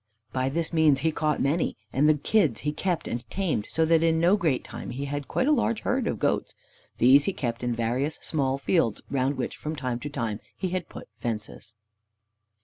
By this means he caught many, and the kids he kept and tamed, so that in no great time he had quite a large herd of goats. These he kept in various small fields, round which from time to time he had put fences.